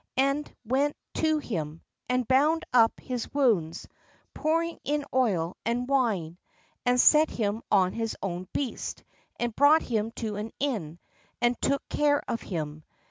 And went to him, and bound up his wounds, pouring in oil and wine, and set him on his own beast, and brought him to an inn, and took care ; of him.